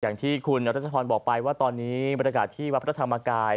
อย่างที่ที่คุณรัฐชฟันบอกไปว่าตอนนี้บริษัทที่วดพระธรรมกาย